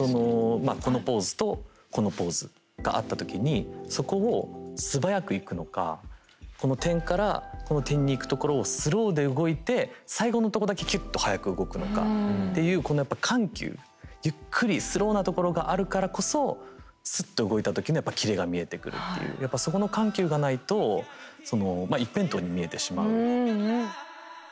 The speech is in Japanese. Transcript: まあこのポーズとこのポーズがあった時にそこを素早くいくのかこの点からこの点にいくところをスローで動いて最後のとこだけキュッと速く動くのかっていうこのやっぱ緩急ゆっくりスローなところがあるからこそスッと動いた時にはやっぱキレが見えてくるっていうやっぱそこの緩急がないとそのまあ一辺倒に見えてしまう。